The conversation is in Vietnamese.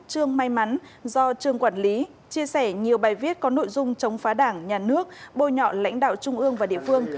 trương may mắn do trương quản lý chia sẻ nhiều bài viết có nội dung chống phá đảng nhà nước bôi nhọ lãnh đạo trung ương và địa phương